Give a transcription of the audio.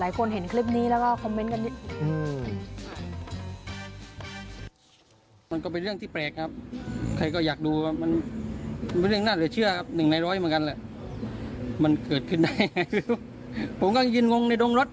หลายคนเห็นคลิปนี้แล้วก็คอมเมนต์กันนิดหนึ่ง